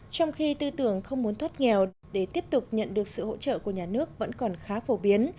trong khi tư tưởng không muốn thoát nghèo để tiếp tục nhận được sự hỗ trợ của nhà nước vẫn còn khá phổ biến